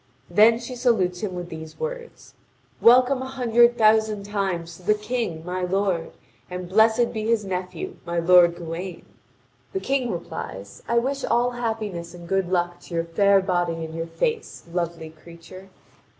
Then she salutes him with these words: "Welcome a hundred thousand times to the King, my lord, and blessed be his nephew, my lord Gawain!" The King replies: "I wish all happiness and good luck to your fair body and your face, lovely creature!"